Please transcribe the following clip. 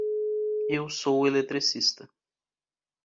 Eu sou eletricista.